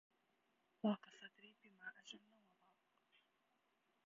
ضاق صدري بما أجن وما ضاق